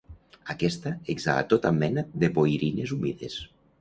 Aquesta exhala tota mena de boirines humides.